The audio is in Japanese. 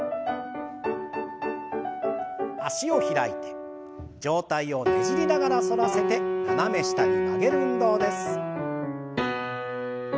脚を開いて上体をねじりながら反らせて斜め下に曲げる運動です。